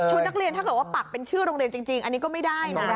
นักเรียนถ้าเกิดว่าปักเป็นชื่อโรงเรียนจริงอันนี้ก็ไม่ได้นะ